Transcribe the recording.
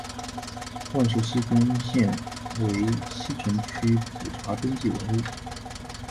万寿西宫现为西城区普查登记文物。